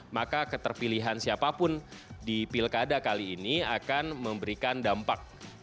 maka keterpilihan siapapun di pilkada kali ini akan memberikan dampak